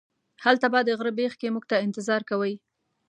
هلته به د غره بیخ کې موږ ته انتظار کوئ.